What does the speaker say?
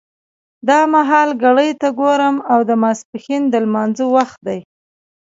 دا مهال ګړۍ ته ګورم او د ماسپښین د لمانځه وخت دی.